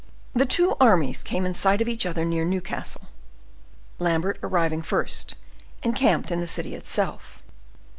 The two armies came in sight of each other near Newcastle; Lambert, arriving first, encamped in the city itself.